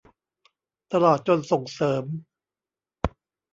ตลอดจนส่งเสริม